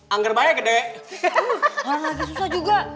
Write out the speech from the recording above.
anggar banyak susah juga